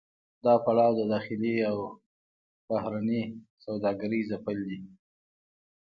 دا پړاو د داخلي او بهرنۍ سوداګرۍ ځپل دي